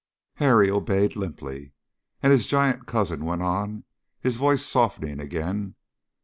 Harry obeyed limply, and his giant cousin went on, his voice softening again.